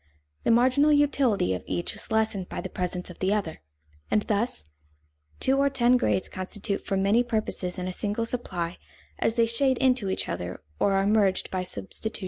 The marginal utility of each is lessened by the presence of the other. And thus, two or ten grades constitute for many purposes a single supply as they shade into each other or are merged by substitution.